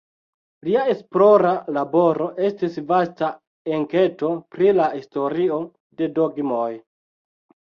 Lia esplora laboro estis vasta enketo pri la historio de dogmoj.